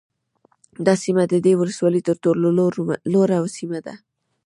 دا سیمه د دې ولسوالۍ ترټولو لوړه سیمه ده